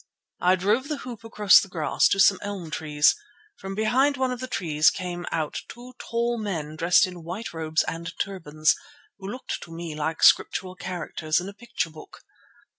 I drove the hoop across the grass to some elm trees. From behind one of the trees came out two tall men dressed in white robes and turbans, who looked to me like scriptural characters in a picture book.